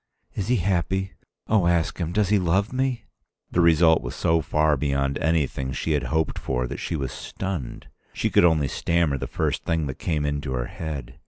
"Is he happy? Oh, ask him does he love me?" The result was so far beyond anything she had hoped for that she was stunned. She could only stammer the first thing that came into her head.